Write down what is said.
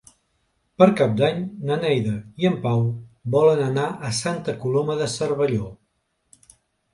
Per Cap d'Any na Neida i en Pau volen anar a Santa Coloma de Cervelló.